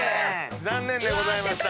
残念でございました。